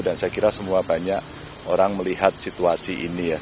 dan saya kira semua banyak orang melihat situasi ini ya